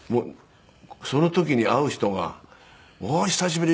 その時に会う人が「おっ久しぶり。